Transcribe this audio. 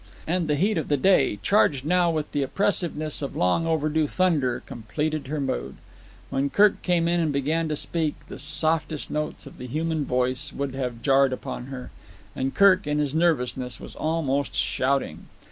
And the heat of the day, charged now with the oppressiveness of long overdue thunder, completed her mood. When Kirk came in and began to speak, the softest notes of the human voice would have jarred upon her. And Kirk, in his nervousness, was almost shouting.